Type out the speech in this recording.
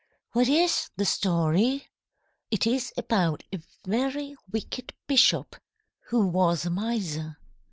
"What is the story?" "It is about a very wicked bishop who was a miser.